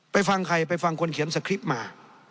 ฟังใครไปฟังคนเขียนสคริปต์มา